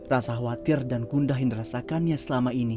rasa khawatir dan gundah yang dirasakannya selama ini